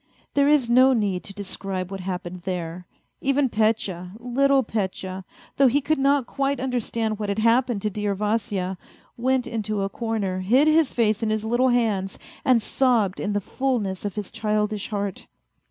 There is no need to describe what happened there ! Even Petya, little Petya, though he could not quite understand what had hap pened to dear Vasya, went into a corner, hid his face in his little hands, and sobbed in the fullness of his childish heart.